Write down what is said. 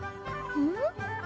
うん？